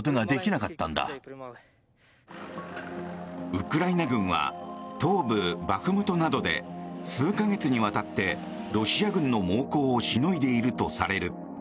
ウクライナ軍は東部バフムトなどで数か月にわたってロシア軍の猛攻をしのいでいるとされる。